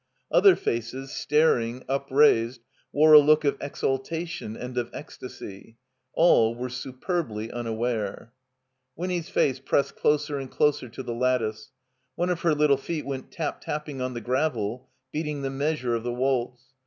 Other faces, staring, upraised, wore a look of exaltation and of ecstasy. All were superbly unaware. Winny's face pressed closer and closer to the lat tice. C^e of her little feet went tap tapping on the gravel, beating the measure of the waltz.